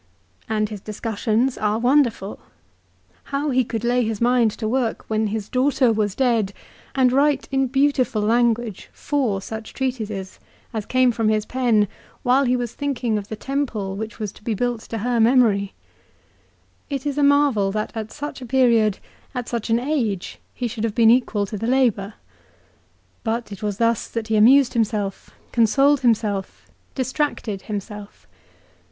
And his discussions are wonderful. How could he lay his mind to work when his daughter was dead, and write in beautiful language four C1GSB&8 PHILOSOPHY. 341 sucli treatises as came from his pen while he was thinking of the temple which was to be built to her memory ? It is a marvel that at such a period, at such an age, he should have been equal to the labour. But it was thus that he amused himself, consoled himself, distracted himself.